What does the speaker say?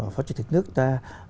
phó chủ tịch nước ta